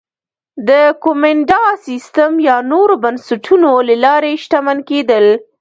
د کومېنډا سیستم یا نورو بنسټونو له لارې شتمن کېدل